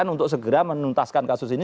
untuk menuntaskan kasus ini